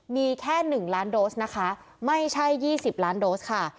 มีแค่หนึ่งล้านโดสนะคะไม่ใช่ยี่สิบล้านโดสค่ะ